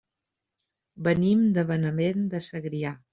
Venim de Benavent de Segrià.